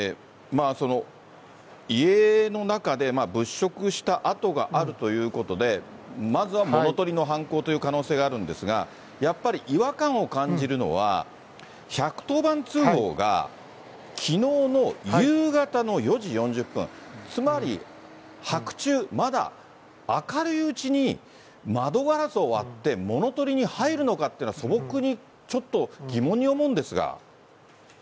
家の中で物色した跡があるということで、まずは物とりの犯行という可能性があるんですが、やっぱり違和感を感じるのは、１１０番通報がきのうの夕方の４時４０分、つまり白昼、まだ明るいうちに、窓ガラスを割って、物取りに入るのかっていうのが、素朴にちょっと、疑問に思うんですが。